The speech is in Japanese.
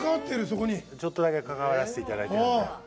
ちょっとだけ関わらせていただいています。